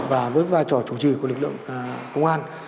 và với vai trò chủ trì của lực lượng công an